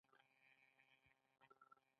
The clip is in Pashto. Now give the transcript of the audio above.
هېڅوک پر هغه د ولایت حق نه لري.